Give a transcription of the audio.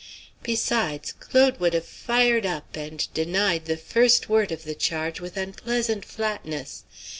Besides, Claude would have fired up and denied the first word of the charge with unpleasant flatness.